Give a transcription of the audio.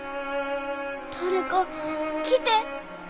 誰か来て。